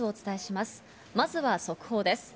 まずは速報です。